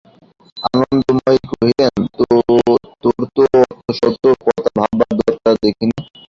আনন্দময়ী কহিলেন, তোর তো অতশত কথা ভাববার দরকার দেখি নে।